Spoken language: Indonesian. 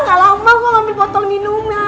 ga lama gua ambil botol minumnya